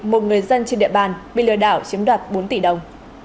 một người dân trên địa bàn bị lừa đảo chiếm đoạt bốn tỷ đồng